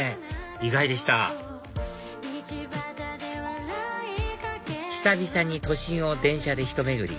意外でした久々に都心を電車でひと巡り